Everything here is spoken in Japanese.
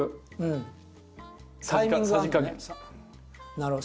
なるほど。